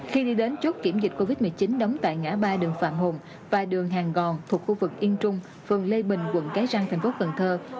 khi đi đến chốt kiểm dịch covid một mươi chín đóng tại ngã ba đường phạm hùng và đường hàng gòn thuộc khu vực yên trung phường lê bình quận cái răng thành phố cần thơ